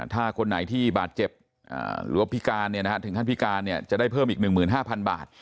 ถ้าคนไหนที่บาดเจ็บหรือว่าพิการถึงขั้นพิการจะได้เพิ่มอีก๑๕๐๐๐บาท